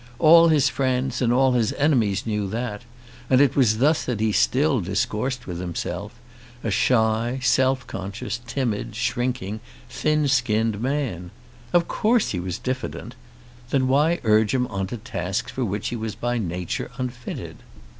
All his friends and all his enemies knew that; it was thus that he still discoursed with himself; a shy, self conscious, timid, shrinking, thin skinned man! Of course he was diffident. Then why urge him on to tasks for which he was by nature unfitted?